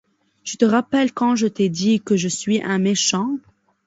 Tu te rappelles quand je t'ai dit que je suis un méchant.